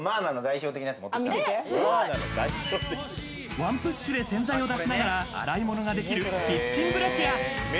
ワンプッシュで洗剤を出しながら洗い物ができるキッチンブラシ。